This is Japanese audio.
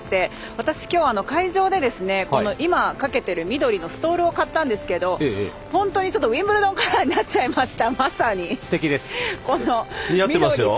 私、今日、会場で今かけている緑のストールを買ったんですけど本当にウィンブルドンカラーになっちゃいました。